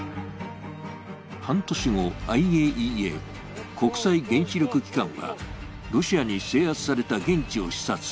半年後、ＩＡＥＡ＝国際原子力機関は、ロシアに制圧された現地を視察。